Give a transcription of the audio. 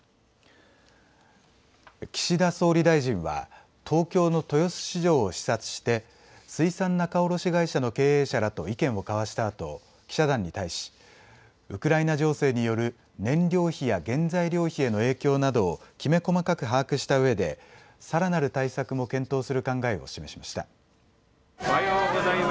岸田総理大臣は東京の豊洲市場を視察して水産仲卸会社の経営者らと意見を交わしたあと記者団に対しウクライナ情勢による燃料費や原材料費への影響などをきめ細かく把握したうえでさらなる対策も検討する考えを示しました。